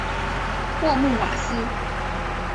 沃穆瓦斯。